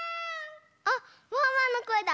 あっワンワンのこえだ！